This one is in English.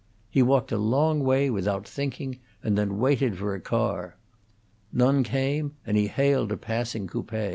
He walked a long way without thinking, and then waited for a car. None came, and he hailed a passing coupe.